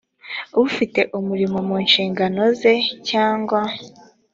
ufite umurimo mu nshingano ze cyangwa